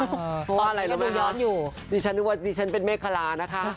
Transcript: เพราะว่าอะไรรู้ไหมย้อนอยู่ดิฉันนึกว่าดิฉันเป็นเมฆคลานะคะ